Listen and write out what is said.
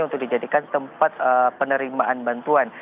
untuk dijadikan tempat penerimaan bantuan